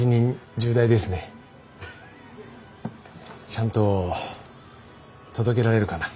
ちゃんと届けられるかな。